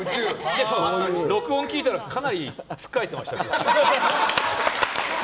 録音聞いたらかなりつっかえてましたけど。